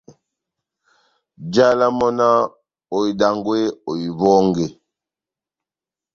Njálá mɔ́ náh :« Ohidangwe, ohiwɔnge !»